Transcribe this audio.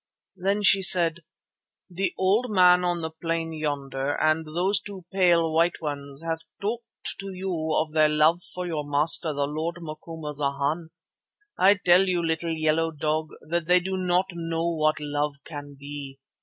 Then she said: 'The Old Man on the plain yonder and those two pale White Ones have talked to you of their love for your master, the Lord Macumazana. I tell you, little Yellow Dog, that they do not know what love can be.